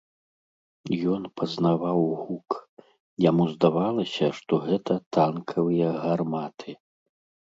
Ён пазнаваў гук, яму здавалася, што гэта танкавыя гарматы.